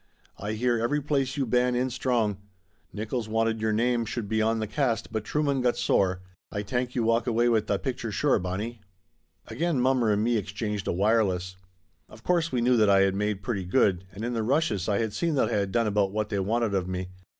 "Ay hear every place you ban in strong. Nickolls wanted your name should be on the cast but Trueman got sore. Ay tank you walk away with tha picture sure, Bonnie." Again mommer and me exchanged a wireless. Of course we knew that I had made pretty good, and in the rushes I had seen that I had done about what they wanted of me.